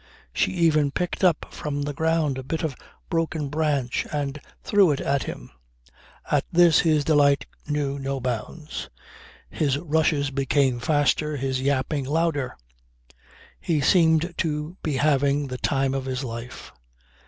She even picked up from the ground a bit of a broken branch and threw it at him. At this his delight knew no bounds; his rushes became faster, his yapping louder; he seemed to be having the time of his life.